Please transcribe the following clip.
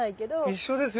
一緒ですよね。